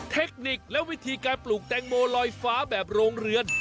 เทคนิคและวิธีการปลูกแตงโมลอยฟ้าแบบโรงเรือน